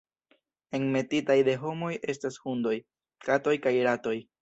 Enmetitaj de homoj estas hundoj, katoj kaj ratoj.